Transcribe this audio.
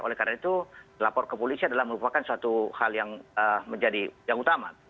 oleh karena itu lapor ke polisi adalah merupakan suatu hal yang menjadi yang utama